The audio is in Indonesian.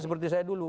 seperti saya dulu